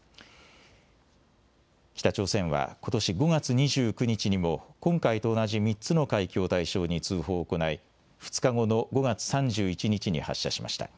北朝鮮はことし５月２９日にも、今回と同じ３つの海域を対象に通報を行い、２日後の５月３１日に発射しました。